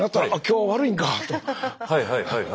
はいはいはいはい。